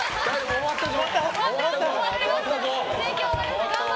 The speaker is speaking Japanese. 終わったぞ。